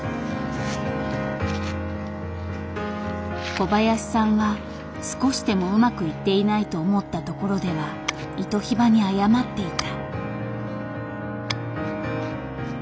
小林さんは少しでもうまくいっていないと思ったところではイトヒバに謝っていた。